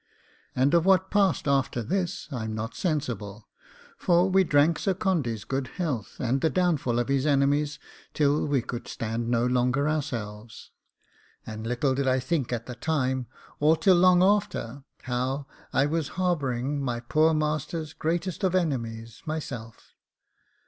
And of what passed after this I'm not sensible, for we drank Sir Candy's good health and the downfall of his enemies till we could stand no longer ourselves. And little did I think at the time, or till long after, how I was harbouring my poor master's greatest of enemies myself.